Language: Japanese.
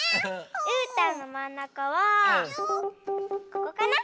うーたんのまんなかはここかな。